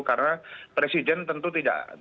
karena presiden tentu tidak